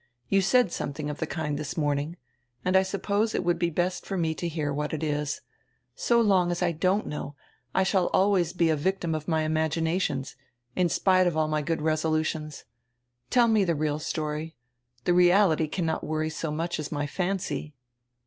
You said something of the kind this morning. And I suppose it would be best for me to hear what it is. So long as I don't know, I shall always be a victim of my imaginations, in spite of all my good resolutions. Tell me tire real story. The reality cannot worry me so much as my fancy."